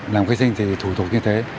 làm cơ sinh thì thủ tục như thế